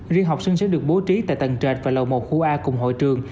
riêng học sinh sẽ được bố trí tại tầng trệt và lầu một khu a cùng hội trường